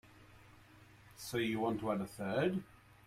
So you want to add a third?